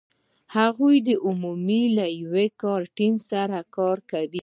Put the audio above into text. هغوی عمومآ له یو کاري ټیم سره کار کوي.